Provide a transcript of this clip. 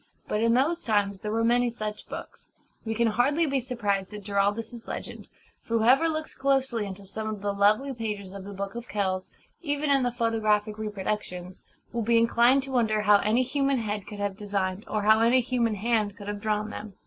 But in those times there were many such books. We can hardly be surprised at Giraldus's legend; for whoever looks closely into some of the lovely pages of the Book of Kells even in the photographic reproductions will be inclined to wonder how any human head could have designed, or how any human hand could have drawn them.